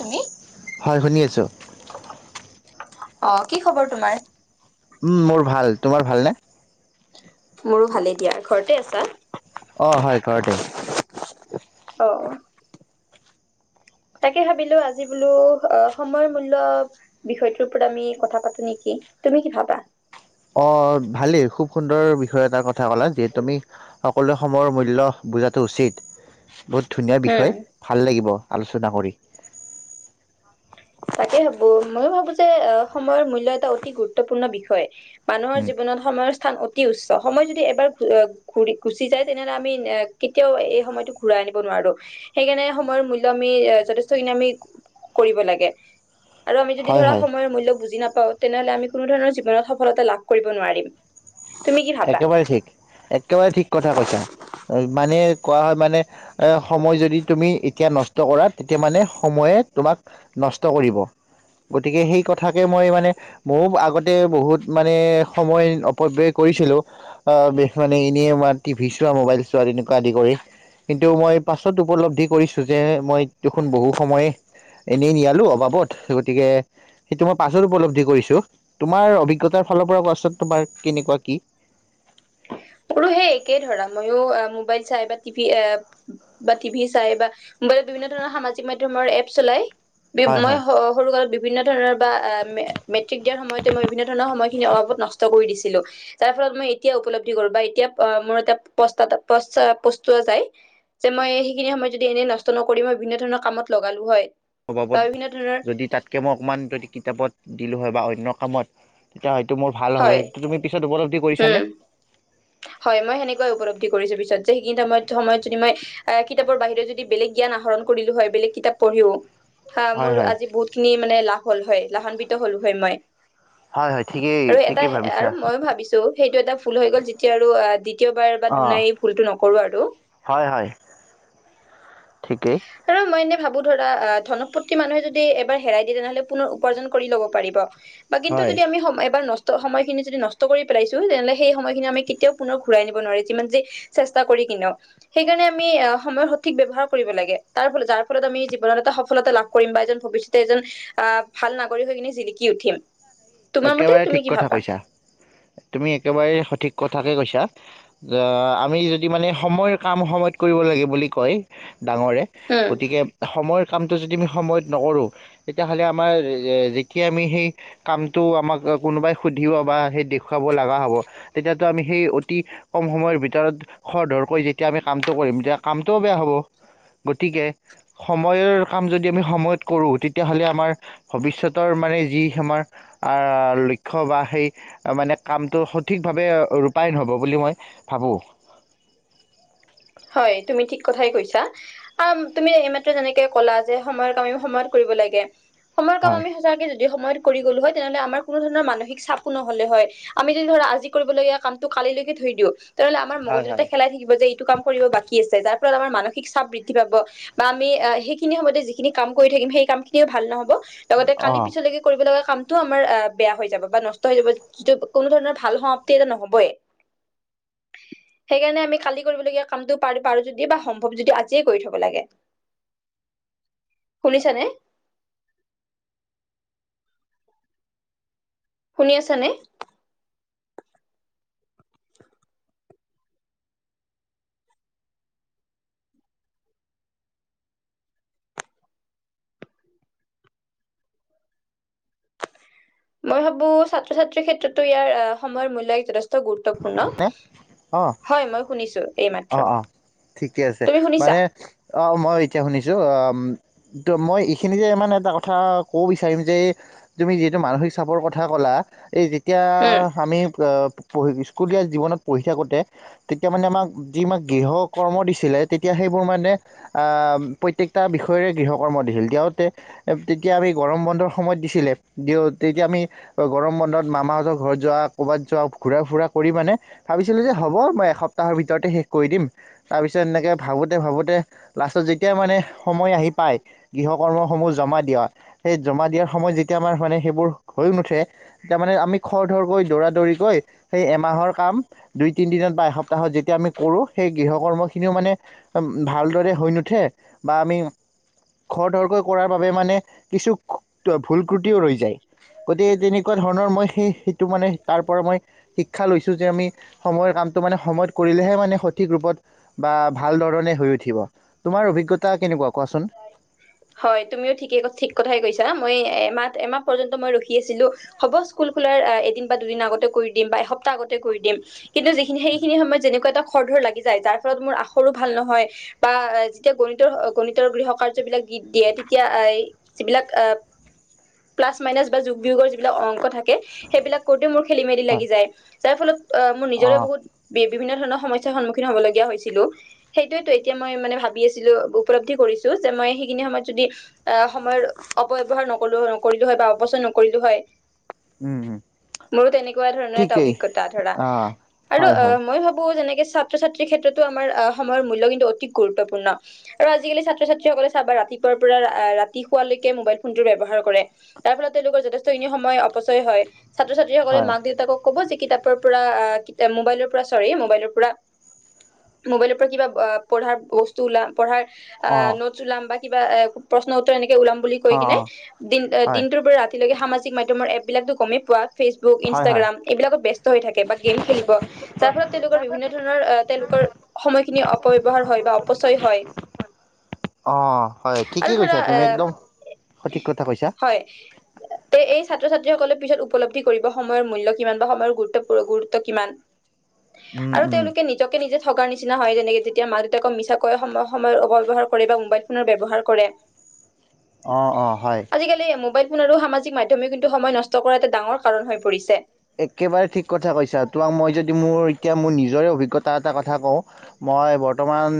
তুমি হয় শুনি আছোঁ অ কি খবৰ তোমাৰ উম মোৰ ভাল তোমাৰ ভালনে মোৰো ভালেই দিয়া ঘৰতে আছা অ হয় ঘৰতে অ তাকে ভাবিলো আজি বোলো অ সময়ৰ মূল্য বিষয়টোৰ ওপৰত আমি কথা পাতো নেকি তুমি কি ভাবা অঁ ভালেই খুব সুন্দৰ বিষয় এটাৰ কথা ক'লা যিহেতু তুমি সকলোৱে সময়ৰ মূল্য বুজাটো উচিত বহুত ধুনীয়া উম বিষয় ভাল লাগিব আলোচনা কৰি তাকে ভাবো ময়ো ভাবো যে আহ সময়ৰ মূল্য এটা অতি গুৰুত্বপূৰ্ণ বিষয় মানুহৰ উম জীৱনত সময় স্থান অতি উচ্চ সময় যদি এবাৰ গঢ় ঘূ ঘূৰি গুচি যায় তেনেহ'লে আমি এ কেতিয়াও এই সময়টো ঘূৰাই আনিব নোৱাৰো সেইকাৰণে সময়ৰ মূল্য আমি এ যথেষ্টখিনি আমি কৰিব লাগে আৰু আমি যদি হয় ধৰা হয় সময়ৰ মূল্য বুজি নাপ তেনেহলে আমি কোনো ধৰণৰ জীৱনত সফলতা লাভ কৰিব নোৱাৰিম তুমি কি ভাবা? একেবাৰে ঠিক একেবাৰে ঠিক কথা কৈছা মানে কোৱা হয় মানে সময় যদি তুমি এতিয়া নষ্ট কৰা তেতিয়া মানে সময়ে তোমাক নষ্ট কৰিব গতিকে সেই কথাকে মই মানে মোৰ আগতে বহুত মানে সময় অপব্যয় কৰিছিলো মানে এনেইম টিভিি চোৱা মোবাইল চোৱা তেনেকুৱা আদি কৰি কিন্তু মই পাছত উপলব্ধি কৰিছো যে মই দেখোন বহু সময় এনেই নিয়ালো অবাবত গতিকে সেইটো মই পাছত উপলব্ধি কৰিছো তোমাৰ অভিজ্ঞতাৰ ফালৰ পৰা তোমাৰ কেনেকুৱা কি মোৰো সেই একে ধৰা মইো মোবাইল চাই বা টিভি বা টিভি চাই বা মোবাইলত বিভিন্ন ধৰণৰ সামাজিক মাধ্যমৰ এপ চলাই বিব হয় মই হয় সৰু কালত বিভিন্ন ধৰণৰ বা মেট্ৰিক দিয়াৰ সময়তে মই বিভিন্ন ধৰণৰ সময়খিনি অবাবত নষ্ট কৰি দিছিলো তাৰ ফলত মই ই এতিয়া উপলব্ধি কৰো বা এতিয়া মই পস্তা দা পস্তা পস্তোৱা যায় যে মই সেইখিনি সময়ত যদি এনেই নষ্ট নকৰি মই বিভিন্ন ধৰণৰ কামত লগালো হয় বা অভাৱত বিভিন্ন ধৰণৰ যদি তাতকৈ মই অকণমান যদি কিতাপত দিলোঁ হয় বা অই অন্য কামত তেতিয়া হয় ত মোৰ ভাল হ'লে হয় তুমি পিছত উপলব তি কৰিছানে উম। হয় মই সেনেকুৱাই উপলব্ধি কৰিছো পিছত যে সেইখিনি সময়ত সময়ত যদি আ কিতাপৰ বাহিৰে যদি বেলেগ জ্ঞান আহৰণ কৰিলো হয় বেলেগ কিতাপ পঢ়িও হা মোৰ হয় হয় আজি বহুত খিনি মানে লাভ হল হয় লাভান্বিত হ'লো হয় মই হয় হয় ঠিকেই আৰু এটা ঠিকেই হ ভাবিছা আৰু মইো ভাবিছো সেইটো এটা ভুল হৈ গ'ল যি এতিয়া আৰু দ্বিতীয়বাৰ বা অঁ দুনাই ভুলটো নকৰো আৰু হয় হয় ঠিকেই আৰু মই এনে ভাব বু ধৰা ধনপতি মানুহে যদি এবাৰ হেৰাই দিয়ে তেনেহলে পুনৰ উপাৰ্জন কৰি ল'ব পাৰিব বা কিন্তু হয় যদি আমি সম এবাৰ নষ্ট সময়খিনি যদি নষ্ট কৰি পেলাইছো তেনেহলে সেই সময়খিনি আমি কেতিয়াও পুনৰ ঘূৰাই নিব নোৱাৰে যিমান যি চেষ্টা কৰি কিনেও সেইকাৰণে আমি সময়ৰ সঠিক ব্যৱহাৰ কৰিব লাগে তাৰ ফলত যাৰ ফলত আমি জীৱনত এটা সফলতা লাভ কৰিম বা এজন ভৱিষ্যতে এজন আহ ভাল নাগৰিক হৈ কিনে জিলিকি উঠিম তোমাৰ মতে একেবাৰে তুমি ঠিক কি কথা ভাবা কৈছা তুমি একেবাৰে সঠিক কথাকে কৈছা আ আমি যদি মানে সময়ৰ কাম সময়ত কৰিব লাগে বুলি কয় ডাঙৰে উম গতিকে সময় কামটো যদি আমি সময়ত নকৰোঁ তেতিয়াহলে আমাৰ যেতিয়া আমি সেই কাম তো আমাক কোনোবাই সুধিব বা সেই দেখুৱাব লগা হব তেতিয়াতো আমি সেই অতি কম সময়ৰ ভিতৰত খৰ ধৰকৈ যেতিয়া আমি কামটো কৰিম তেতিয়া কামটোও বেয়া হ'ব গতিকে সময়ৰ কাম যদি আমি সময়ত কৰোঁ তেতিয়াহলে আমাৰ ভৱিষ্যতৰ মানে যি আমাৰ লক্ষ্য বা সেই মানে কামটো সঠিকভাৱে ৰূপায়ণ হ'ব বুলি মই ভাবোঁ হয় তুমি ঠিক কথাই কৈছা আ তুমি এইমাত্ৰ যেনেকে কলা যে সময়ৰ কামে সময়ত কৰিব লাগে সময়ৰ কাম হয় আমি সঁচাকে য দি সময়ত কৰি গলো হয় তেনেহলে আমাৰ কোনো ধৰণৰ মানসিক চাপো নহলে হয় আমি যদি ধৰা আজি কৰিবলগীয়া কামটো কালিলৈকে থৈ দিওঁ তেনেহলে আমাৰ হয় মগজুতে হয় খেলাই থাকিব যে এইটো কাম কৰিব বাকী আছে যাত আমাৰ মানসিক চাপ বৃদ্ধি পাব বা আমি সেইখিনি সময়তে যিখিনি কাম থাকিম, সেই কামখিনিও ভাল নহব। লগতে কালি অঁ পিছলৈকে কৰিবলগা কাম টো আমাৰ অ' বেয়া হৈ যাব বা নষ্ট হৈ যাব। যিটো কোনোধৰণৰ ভাল সমাপ্তি এটা নহবয়ে। সেইকাৰণে আমি কালি কৰিবলগীয়া কামটো পাৰ- পাৰোঁ যদি বা সম্ভৱ যদি, আজিয়ে কৰি থব লাগে। শুনিছানে? শুনি আছানে? মই ভাবো ছাত্ৰ-ছাত্ৰীৰ ক্ষেত্ৰতো ইয়াৰ অ'- সময়ৰ মূল্যই যথেষ্ট গুৰুত্ব এ? অ'। শুনিছো এইমাত্ৰ অ' - অ' ঠিকে আছে। তুমি শুনিছা মানে অ'- মই এতিয়া শুনিছোঁ, অ'- উম তো মই এইখিনিতে মানে এটা কথা কব বিচাৰিম যে, তুমি যিহেতু মানসিক চাপৰ কথা ক'লা, এই এতিয়া উম আমি অ' পঢ়ি গৈছোঁ। স্কুলীয়া জীৱনত পঢ়ি থাকোঁতে, তেতিয়া মানে আমাক- যি আমাক গৃহকৰ্ম দিছিলে, তেতিয়া সেইবোৰ মানে অ'- প্ৰত্যেকটা বিষয়েৰে গৃহকৰ্ম দিছিল। তেওঁতে তেতিয়া আমি গৰম বন্ধৰ সময়ত দিছিলে। দিওঁ, তেতিয়া আমি গৰম বন্ধত মামাহঁতৰ ঘৰত যোৱা, ক'ৰবাত যোৱা, ঘূৰা-ফুৰা হয়নে? ভাবিছিলো যে হব, মই এসপ্তাহৰ ভিতৰতে শেষ কৰি দিম দিম। তাৰপিছত এনেকে ভাবোঁতে-ভাবোঁতে লাষ্টত যেতিয়া মানে সময় আহি পায়, গৃহকৰ্মসমূহ জমা দিয়া সেই জমা দিয়াৰ সময়ত যেতিয়া আমাৰ মানে সেইবোৰ হৈ নুঠে, তেতিয়া মানে আমি খৰধৰকৈ দৌৰা-দৌৰিকৈ সেই এমাহৰ কাম দুই-তিনিদিনত বা এসপ্তাহত যেতিয়া আমি কৰোঁ, সেই গৃহকৰ্মখিনিও মানে ভালদৰে হৈ নুঠে বা আমি খৰধৰকৈ কৰাৰ বাবে মানে কিছু ভুল ক্ৰু টিও ৰৈ যায়। গতিকে তেনেকুৱা ধৰণৰ মই সেই- সেইটো মানে, তাৰ পৰা মই শিক্ষা লৈছোঁ যে আমি সময়ৰ কামটো মানে সময়ত কৰিলেহে মানে সঠিক ৰূপত বা ভালধৰণে হৈ উঠিব। তোমাৰ অভিজ্ঞতা কেনেকুৱা? কোৱাচোন। এ মাহ এমাহ পৰ্যন্ত মই ৰখি আছিলোঁ। হ'ব, স্কুল খোলাৰ এদিন বা দুদিন আগতে কৰি দিম বা এসপ্তাহ আগতে কৰি দিম। কিন্তু যিখিনি- সেইখিনি সময়ত যেনেুকুৱা এটা খৰধৰ লাগি যায়, যাৰ ফলত মোৰ আখৰো ভাল নহয় বা যেতিয়া গণিতৰ- গণিতৰ গৃহকাৰ্য বিলাক দিত- দিয়ে, তেতিয়া অ'- এই যিবিলাক অ' প্লাছ মাইনাছ বা যোগ-বিয়োগৰ যিবিলাক অংক থাকে, সেইবিলাক কৰোঁতে মোৰ খেলিমেলি হয় লাগি যায়। যাৰ ফলত অ'- মোৰ নিজৰে অঁ বহুত বি বিভিন্ন ধৰণৰ সমস্যাৰ সন্মুখীন হব লগীয়া হৈছিলোঁ। সেইটোৱেতো এতিয়া মই মানে ভাবি আছিলোঁ। উপলব্ধি কৰিছোঁ যে মই সেইখিনি সময়ত যদি অ'- সময়ৰ অপব্যৱহাৰ নকৰিলোঁ কৰিলোঁ হয় বা অপচয় নকৰিলোঁ হয় উম উম মোৰো তেনেকুৱা ধৰণৰ এটা ঠিকেই অভিজ্ঞতা ধৰা। অঁ আৰু হয় হয় অ' মই ভাবো যেনেকে ছাত্ৰ-ছাত্ৰীৰ ক্ষেত্ৰতো আমাৰ অ'- সময়ৰ মূল্য কিন্তু অতি গুৰুত্বপূৰ্ণ। আৰু আজিকালি ছাত্ৰ-ছাত্ৰীসকলে চাবা, ৰাতিপুৱাৰ পৰা অ'- ৰাতি শুৱালৈকে মোবাইল ফোনটো ব্যৱহাৰ কৰে। তাৰ ফলত তেওঁলোকৰ যথেষ্টখিনি সময় অপচয় হয়। ছাত্ৰ-ছাত্ৰীসকলে হয় মাক দেউতাকক ক'ব যে কিতাপৰ পৰা অ'- কিতা- মোবাইলৰ পৰা- ছৰি, মোবাইলৰ পৰা, মোবাইলৰ পৰা কিবা অ'- পঢ়াৰ বস্তু ওলা পঢ়াৰ অ'- অঁ নোটছ ওলাম বা কিবা এ- প্ৰশ্ন উত্তৰ এনে কে ওলাম বুলি কৈ অঁ কিনে, অঁ দিন হয় ৰাতিলৈকে সামাজিক মাধ্যমৰ এপবিলাকতো গমে পোৱা। ফেচবুক, হয় হয় ইনষ্টাগ্ৰাম এইবিলাকত ব্যস্ত হৈ থাকে বা গেম খেলিব। যাৰ ফলত তেওঁলোকৰ বিভিন্ন ধৰণৰ আহ তেওঁলোকৰ সময়খিনি অপব্যৱহাৰ হয় বা অপচয় হয়। অঁ হয় আৰু ঠিকেই ধৰা কৈছা এ তুমি একদম সঠিক কথা কৈছা হয় তে এই ছাত্ৰ ছাত্ৰীসকলে পিছত উপলব্ধি কৰিব সময়ৰ মূল্য কিমান বা সময়ৰ গুৰুত্ব গুৰুত্ব কিমান। উম আৰু উম তেওঁলোকে নিজকে নিজে ঠগাৰ নি নিচিনা হয় যেনেকে যেতিয়া মাক দেউতাকক মিছাকৈ সম সময়ৰ অপব্যৱহাৰ কৰে বা মোবাইল ফোনৰ ব্যৱহাৰ কৰে অঁ, অঁ হয়। আজিকালি মোবাইল ফোন আৰু সামাজিক মাধ্যমেও কিন্তু সময় নষ্ট কৰা এটা ডাঙৰ কাৰণ হৈ পৰিছে। একেবাৰে ঠিক কথা কৈছা। তোমাক মই যদি মোৰ এতিয়া মোৰ নিজৰে অভিজ্ঞতা এটা কথা কওঁ। মই বৰ্তমান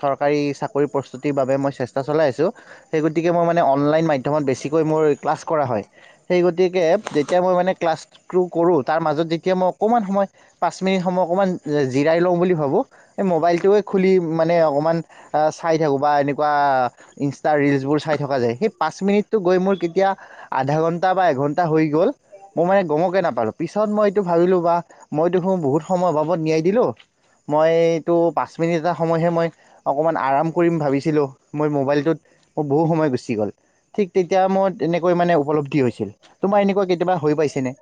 চৰকাৰী চাকৰি প্ৰস্তুতিৰ বাবে মই চেষ্টা চলাই আছোঁ। সেই গতিকে মই মানে অনলাইন মাধ্যমত বেছিকৈ মোৰ ক্লাছ কৰা হয়। সেই গতিকে যেতিয়া মই মানে ক্লাছ স্ক্ৰু কৰোঁ। তাৰ মাজত যেতিয়া মই অকণমান সময় পাঁচ মিনিট সময় অকণমান জিৰাই লওঁ বুলি ভাবোঁ, এই মোবাইলটোৱে খুলি মানে অকণমান চাই থাকোঁ বা এনেকুৱা ইনষ্টা ৰিলচবোৰ চাই থকা যায়। সেই পাঁচ মিনিটটো গৈ মোৰ কেতিয়া আধা ঘণ্টা বা এঘণ্টা হৈ গ'ল মোৰ মানে গমকে নাপালোঁ। পিছত মই এইটো ভাবিলোঁ বা মই দেখোন বহুত সময় অবাবত নিয়াই দিলোঁ। মই কিন্তু পাঁচ মিনিট এটা সময়হে মই অকমান আৰাম কৰিম ভাবিছিলো। মই মোবাইলটোত মোৰ বহুত সময় গুচি গ'ল। ঠিক তেতিয়া মোৰ এনেকৈ মানে উপলব্ধি হৈছিল। তোমাৰ এনেকুৱা কেতিয়াবা হৈ পাইছেনে?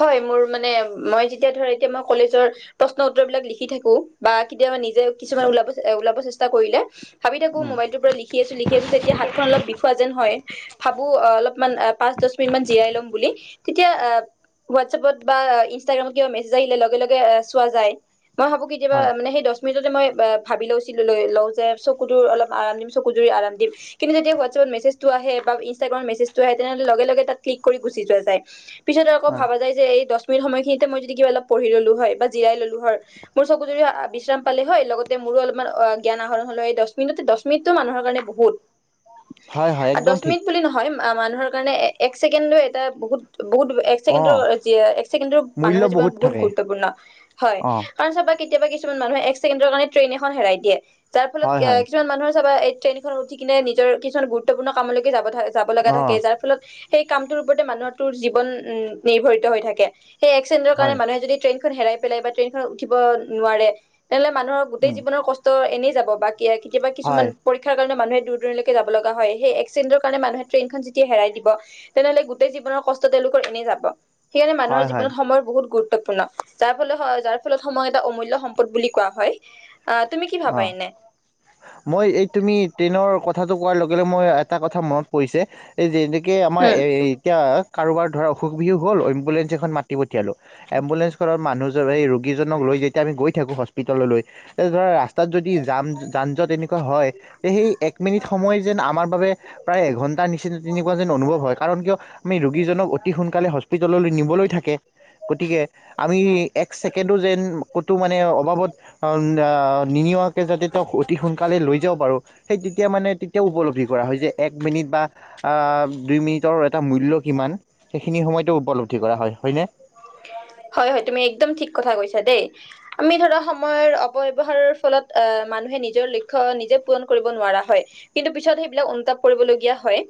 হয়। মোৰ মানে মই যেতিয়া ধৰা এতিয়া মই কলেজৰ প্ৰশ্ন উত্তৰ বিলাক লিখি থাকো বা কেতিয়াবা নিজে কিছুমান ওলাব ওলাব চেষ্টা কৰিলে ভাবি থাকো উম, মোবাইলটোৰ পৰা লিখি আছো লিখি আছো, যেতিয়া হাতখন অলপ বিখোৱা যেন হয় ভাবো অলপ মান পাচঁ দহ মিনিট মান জিৰাই লম বুলি তেতিয়া হোৱাট ছাপত বা ইনষ্টাগ্ৰামত কিবা মেছেজ আহিলে লগে লগে চোৱা যায়। মই ভাবো কেতিয়াবা হয় মানে সেই দছ তুমি যদি মই ভাবি লৈছিলো লওঁ যে চকু তোৰ অল আৰাম দিম চকু জুৰি আৰাম দিম কিন্তু যেতিয়া হোৱাটছএপত মেছেজটো আহে বা ইনষ্টাগ্ৰামত মেছেজ আহে তেনেহ'লে লগে লগে তাত ক্লিক কৰি গুচি যোৱা যায়। পিছত আকৌ হয় ভাবা যায় যে এই দছ মিনিট সময়খিনিতে মই যদি কা অলপ পঢ়ি ললো হয় বা জিৰাই ললো হয়। মোৰ চকুজুৰি বিশ্ৰাম পালে হয় লগতে মোৰো অলপমান জ্ঞান আহৰণ হল হয়। এই দছ মিনিটতে দছ মিনিটটো মানুহৰ কাৰণে বহুত। হয় হয় একদম দছ ঠিক মিনিট বুলি নহয়। মানুহৰ কাৰণে এক চেকেণ্ডো এটা বহুত বহুত এক ছেকেণ্ডৰ অঁ এক ছেকেণ্ড মূল্য মানুহৰ জীৱন বহুত থাকে গুৰুত্বপূৰ্ণ হয়। অঁ কাৰণ চব কেতিয়াবা কিছুমান মানুহ একেছেকেণ্ডৰ কাৰণে ট্ৰেইন এখন হেৰাই দিয়ে। যাৰ ফলত হয় হয় কিছুমান মানুহৰ বা এই ট্ৰেইনখনত উঠি কিনে নিজৰ কিছুমান গুৰুত্বপূৰ্ণ কামলৈকে যাব থাকে। যাব লগা অঁ থাকে যাৰ ফলত সেই কামটোৰ ওপৰতে মানুহৰ তোৰ জীৱন উম নিৰ্ভৰিত হৈ থাকে। সেই এক ছেকেণ্ডৰ কাৰণে হয় মানুহে যদি ট্ৰেইন খন হেৰাই পেলাই বা ট্ৰেইনখনত উঠিব নোৱাৰে তেনেহলে মানুহৰ গোটেই উম, জীৱনৰ কষ্ট এনেই এনেই যাব বা কিবা কেতিয়াবা কিছুমান হয় পৰীক্ষাৰ কাৰণে মানুহে দূ দূৰলৈক যাব লগা হয় সেই এক ছেকেণ্ডৰ কাৰণে মানুহে ট্ৰেইনখন যেতিয়া হেৰাই দিব তেনেহ'লে গোটেই জীৱনৰ কষ্ট তেওঁলোকৰ এনে যাব। সেইকাৰণে মানুহ হয় হয় জীৱনত সময় বহুত গুৰুত্বপুৰ্ণ। গুৰুত্বপূৰ্ণ যাৰ ফলত -যাৰ ফলত সময় এটা অমূল্যয় সম্পদ বুলি কোৱা হয়। আহ তুমি কি অ ভাবা এনে মই এই তুমি ট্ৰেইনৰ কথা। কথাটো কোৱাৰ লগে- লগে মই এটা কথা মনত পৰিছে এই যে যেনেকে আমাৰ উম এই এতিয়া কাৰোবাৰ ধৰা অসুখ বিসুখ হ'ল এমুলেঞ্চ এখন মাতি পঠিয়াব। মাতি পঠিয়ালো এম্বুলেঞ্চ খনত মানুহ। এই ৰোগীজনক লৈ যেতিয়া আমি গৈ থাকো হস্পিতাললৈ এই ধৰা ৰাস্তা তাত যদি জান যান জঁট তেনেকুৱা হয়। তে সেই এক মিনিট সময় যেন আমাৰ বাবে প্ৰায় এঘণ্টাৰ নিচিনা তেনেকুৱা যেন অনুভৱ হয়। কাৰণ কিয় আমি ৰোগীজনক অতি সোনকালে হস্পিটেললৈ নিবলৈ থাকে গতিকে আমি এক ছেকেণ্ডো যেন ক'তো মানে অবাবত। নিনিয়াকে যাতে তেওঁ অতি সোনকালে লৈ যাাব বাৰু সেই তেতিয়া মানে তেতিয়া উপলব্ধি কৰা হয় যে এক মিনিট বা দুই মিনিটৰ এটা মূল্য কিমান। সেইখিনি সময়ত উপলব্ধি কৰা হয় হয়নে? হয় -হয় তুমি একদম ঠিক কথা কৈছা দেই আমি ধৰা সময়ৰ অপব্যৱহাৰৰ ফলত অহ মানুহে নিজৰ লক্ষ্য নিজে পূৰণ কৰিব নোৱাৰা হয় কিন্তু পিছত সেইবিলাক অনুতাপ কৰিবলগীয়া হয়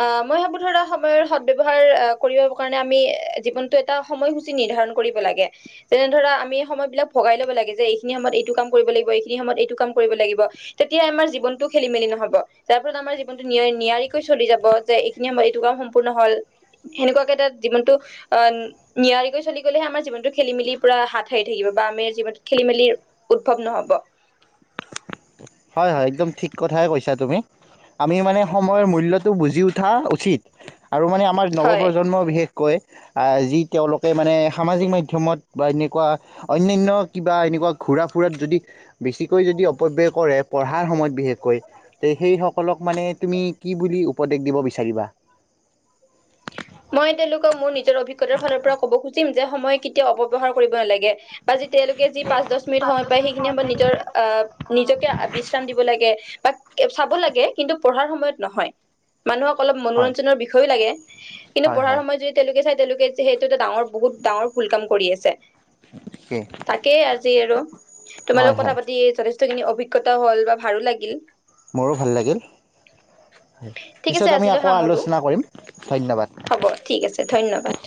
আহ মই ভাবো ধৰা সময়ৰ সদব্য়ৱহাৰ আহ কৰিব কাৰণে আমি জীৱনতটো এটা সময় নিৰ্ধাৰণ কৰিব লাগে। যেনে ধৰা আমি সময় বিলাক ভগাই লব লাগে যে এইখিনি সময়ত এইটো কাম কৰিব লাগিব এইখিনি সময়ত এইটো কাম কৰিব লাগিব তেতিয়া আমাৰ জীৱনটো খেলি মেলি নহব। যাৰ ফলত আমাৰ জীৱনটো নিয়াৰিকৈ চলি যাব যে এইখিনি সময়ত এইটো কাম সম্পূৰ্ণ হল সেনেকুৱাকে তাত জীৱনটো অ' নায়াৰিকৈ চলি গলেহে আমাৰ জীৱনটো খেলি মেলি পৰা হাত সাৰি থাকিব বা আমি জীৱনটোত খেলি- মেলি উদ্ভৱ নহব। হয়- হয় একদম ঠিক কথাই কৈছা তুমি আমি মানে সময়ৰ মূল্যটো বুজি উঠা উচিত। আৰু মানে আমাৰ হয় নৱপ্ৰজন্ম বিশেষকৈ কয় যি তেওঁলোকে মানে সামাজিক মাধ্যমত বা এনেকুৱা অন্যান্য কিবা এনেকুৱা ঘূৰা- ফুৰাত যদি বেছিকৈ যদি অপব্যয় কৰে। পঢ়াৰ সময়ত বিশেষকৈ, কয় সেই সকলক মানে তুমি কি বুলি উপদেশ দিব বিচাৰিবা। মই তেওঁলোকক মোৰ নি অভিজ্ঞতাৰ ফালৰ পৰা কব খুজিম যে সময় কেতিয়াও অপৱ্যৱহাৰ কৰিব নালাগে। বা যি তেওঁলোকে যি পাঁচ দছ মিনিট সময় পিয় সেইখিনি সময়ত নিজৰ আহ নিজকে বিশ্ৰাম দিব লাগে বা চাব লাগে কিন্তু- পঢ়াৰ সময়ত নহয় মানুহক অলপ হয় মনোৰঞ্জনৰ বিষয়ো লাগে কিন্তু হয় পঢ়াৰ হয় সময়ত যদি তেওঁলোকে চাই তেওঁলোকে যে সেইটো এটা ডাঙৰ বহুত ডাঙৰ ভুল কাম কৰি আছে ঠিকেই তাকেই আজি আৰু তোমালোক হয় কথা হয় পাতি যথেষ্ট যিখিনি অভিজ্ঞতা হল বা ভালো লাগিল মোৰো ভাল লাগিল হয় ঠিক আছে পিছত আমি আজিলৈ আকৌ সামৰো আলোচনা কৰিম। ধন্যবাদ হ'ব ঠিক আছে ধন্যবাদ।